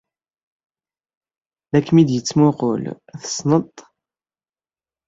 La kem-id-yettmuqqul. Tessned-t?